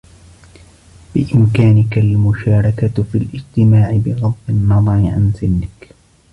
بإمكانك المشاركة في الاجتماع بغض النظر عن سنك.